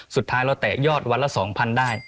สุดท้ายเราแตะยอดวันละ๒๐๐๐ได้